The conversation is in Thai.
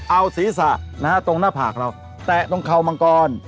เอาศีรษะตรงหน้าผากแตะในตรงขาวมังกร